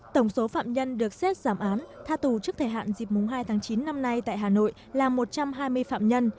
tổng số phạm nhân được xét giảm án tha tù trước thời hạn dịp mùng hai tháng chín năm nay tại hà nội là một trăm hai mươi phạm nhân